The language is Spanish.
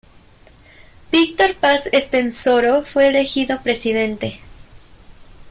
Víctor Paz Estenssoro fue elegido presidente.